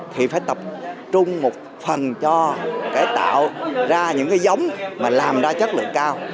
thì phải tập trung một phần cho cái tạo ra những cái giống mà làm ra chất lượng cao